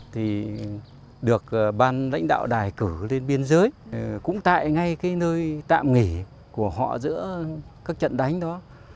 thì được ban lãnh đạo đài cử lên biên giới cũng tại ngay cái nơi tạm nghỉ của họ giữa các trận đánh đó